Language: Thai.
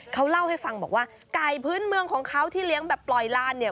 เขาเล่าให้ฟังบอกว่าไก่พื้นเมืองของเขาที่เลี้ยงแบบปล่อยลานเนี่ย